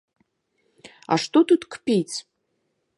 А што тут кпіць?